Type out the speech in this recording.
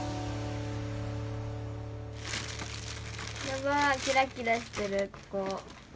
やばいキラキラしてるここ。